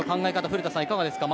古田さん、いかがですか？